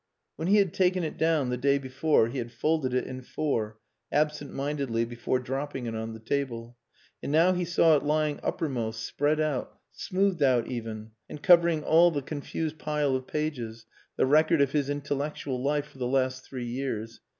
When he had taken it down the day before he had folded it in four, absent mindedly, before dropping it on the table. And now he saw it lying uppermost, spread out, smoothed out even and covering all the confused pile of pages, the record of his intellectual life for the last three years.